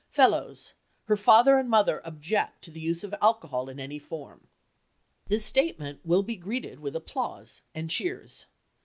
Fellows—her father and mother object to the use of alcohol in any form." This statement will be greeted with applause and cheers.